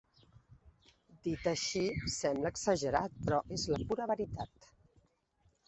Dit així, sembla exagerat, però és la pura veritat.